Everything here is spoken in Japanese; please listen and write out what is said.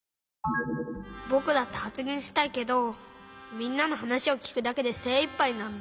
☎ぼくだってはつげんしたいけどみんなの話をきくだけでせいいっぱいなんだ。